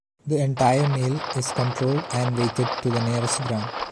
The entire meal is controlled and weighted to the nearest gram.